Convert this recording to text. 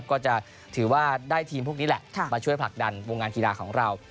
ก็จะถือว่าได้ทีมพวกนี้แหละมาช่วยผลักดันวงงานกีฬาของเรา